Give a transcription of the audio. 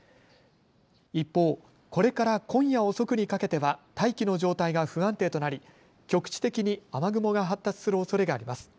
一方、これから今夜遅くにかけては大気の状態が不安定となり、局地的に雨雲が発達するおそれがあります。